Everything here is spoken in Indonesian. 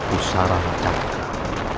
mengambil kekuatan dari pusaran